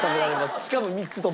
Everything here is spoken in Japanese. しかも３つとも。